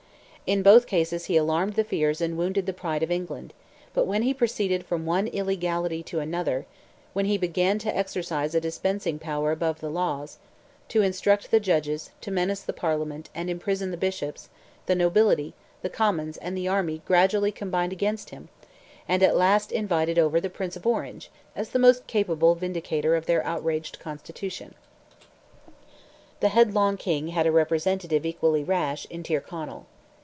In both cases he alarmed the fears and wounded the pride of England; but when he proceeded from one illegality to another, when he began to exercise a dispensing power above the laws—to instruct the judges, to menace the parliament, and imprison the bishops—the nobility, the commons, and the army gradually combined against him, and at last invited over the Prince of Orange, as the most capable vindicator of their outraged constitution. The headlong King had a representative equally rash, in Tyrconnell.